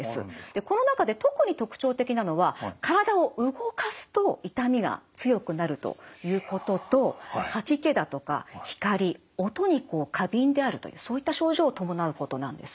この中で特に特徴的なのは体を動かすと痛みが強くなるということと吐き気だとか光・音に過敏であるというそういった症状を伴うことなんです。